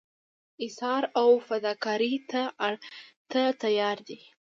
ایثار او فداکارۍ ته تیار دي.